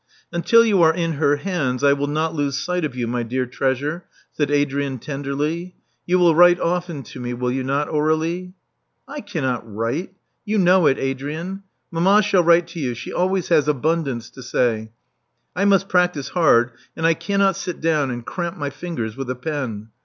Until you are in her hands, I will not lose sight of you, my dear treasure,*' said Adrian tenderly. You will write often to me, will you not, Aur^lie? I cannot write — you know it, Adrian. Mamma shall write to you: she always has abundance to say. I must practise hard; and I cannot sit down and cramp my fingers with a pen.